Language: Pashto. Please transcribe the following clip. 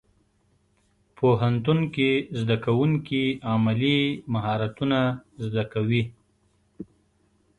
پوهنتون کې زدهکوونکي عملي مهارتونه زده کوي.